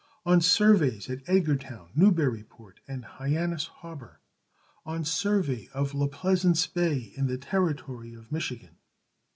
On surveys at Edgartown, Newburyport, and Hyannis Harbor. On survey of La Plaisance Bay, in the Territory of Michigan.